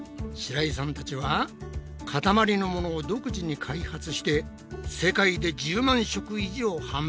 白井さんたちはかたまりのものを独自に開発して世界で１０万食以上販売しているんだって。